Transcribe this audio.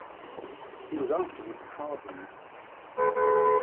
He was afterwards pardoned.